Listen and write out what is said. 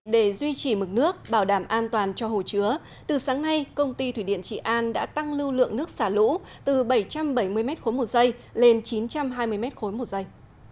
để duy trì mực nước bảo đảm an toàn cho hồ chứa từ sáng nay công ty thủy điện trị an đã tăng lưu lượng nước xả lũ từ bảy trăm bảy mươi m ba một giây lên chín trăm hai mươi m ba một giây